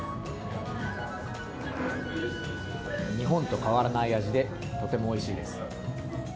日本と変わらない味で、とてもおいしいです。